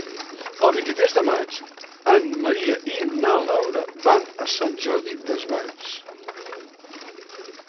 El vint-i-tres de maig en Maria i na Laura van a Sant Jordi Desvalls.